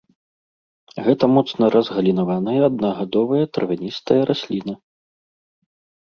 Гэта моцна разгалінаваная, аднагадовая травяністая расліна.